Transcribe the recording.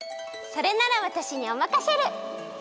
それならわたしにおまかシェル！